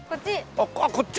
あっこっち？